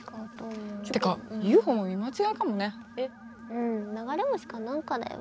うん流れ星か何かだよ。